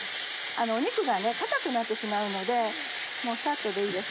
肉が硬くなってしまうのでサッとでいいです。